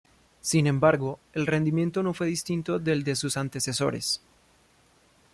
Sin embargo, el rendimiento no fue distinto del de sus antecesores.